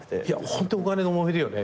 ホントお金でもめるよね。